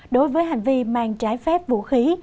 đối với hành vi mang trái phép vũ khí